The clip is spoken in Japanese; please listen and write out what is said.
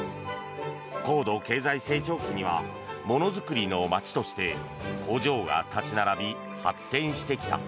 高度経済成長期にはものづくりの街として工場が立ち並び、発展してきた。